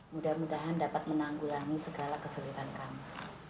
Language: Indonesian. mudah mudahan dapat menanggulangi segala kesulitan kami